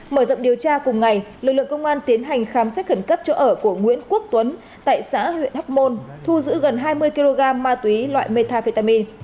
mở rộng điều tra cùng ngày lực lượng công an tiến hành khám xét khẩn cấp chỗ ở của nguyễn quốc tuấn tại xã huyện hóc môn thu giữ gần hai mươi kg ma túy loại metafetamin